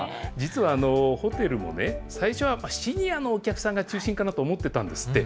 実は、ホテルも最初はシニアのお客さんが中心かなと思ってたんですって。